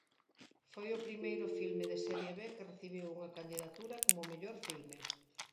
Foi o primeiro filme de serie B que recibiu unha candidatura como mellor filme.